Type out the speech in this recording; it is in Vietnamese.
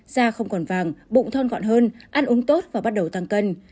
da không còn vàng bụng thon gọn hơn ăn uống tốt và bắt đầu tăng cân